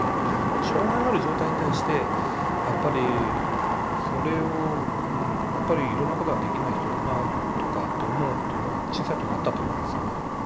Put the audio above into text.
障害のある状態に対してやっぱりあのそれをやっぱりいろんなことができない人だなとかって思うというのは小さい時あったと思いますよね。